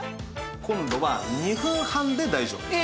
今度は２分半で大丈夫です。